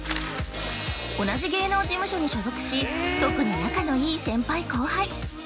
同じ芸能事務所に所属し、特に仲のいい先輩後輩！